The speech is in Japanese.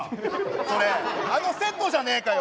それあのセットじゃねえかよ！